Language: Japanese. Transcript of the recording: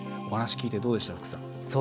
お話を聞いてどうでした？